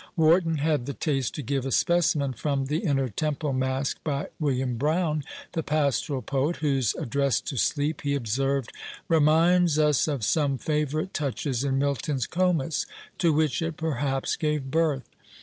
Warton had the taste to give a specimen from "The Inner Temple Mask by William Browne," the pastoral poet, whose Address to Sleep, he observed, "reminds us of some favourite touches in Milton's Comus, to which it perhaps gave birth."